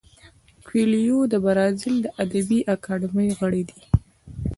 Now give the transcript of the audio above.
کویلیو د برازیل د ادبي اکاډمۍ غړی دی.